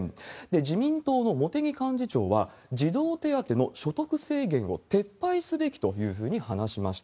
自民党の茂木幹事長は、児童手当の所得制限を撤廃すべきというふうに話しました。